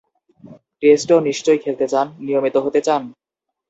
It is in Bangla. টেস্টও নিশ্চয়ই খেলতে চান, নিয়মিত হতে চান?